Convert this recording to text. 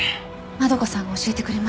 円さんが教えてくれました。